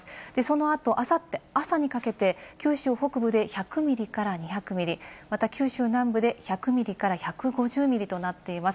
その後、あさって朝にかけて九州北部で１００ミリから２００ミリ、また九州南部で１００ミリから１５０ミリとなっています。